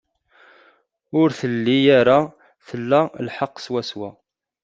Ur telli ara tla lḥeqq swaswa.